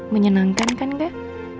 menyenangkan kan kak